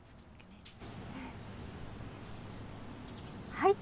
はい。